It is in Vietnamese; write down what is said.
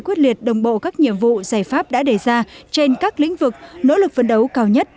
quyết liệt đồng bộ các nhiệm vụ giải pháp đã đề ra trên các lĩnh vực nỗ lực vấn đấu cao nhất